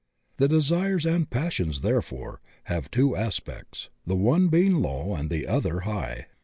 The desires and passions, therefore, have two as pects, the one being low and the other high.